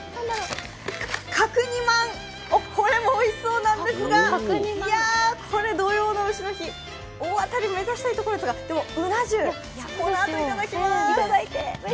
角煮まん、これもおいしそうですがいや、これ土用の丑の日大当たり目指したいところですがでもうな重、このあといただきます。